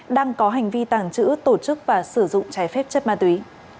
đang có hành vi tàng trữ tổ chức và sử dụng trái phép chất ma túy